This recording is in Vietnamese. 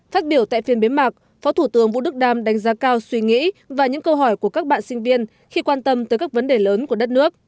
phát biểu tại phiên bế mạc phó thủ tướng vũ đức đam đánh giá cao suy nghĩ và những câu hỏi của các bạn sinh viên khi quan tâm tới các vấn đề lớn của đất nước